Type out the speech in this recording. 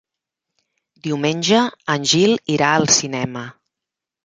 Diumenge en Gil irà al cinema.